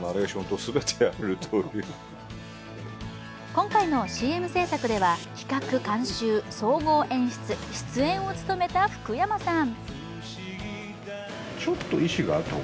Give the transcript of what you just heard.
今回のＣＭ制作では、企画監修、総合演出、出演を務めた福山さん。